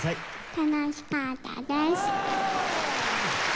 楽しかったです。